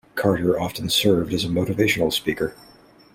Carter often served as a motivational speaker.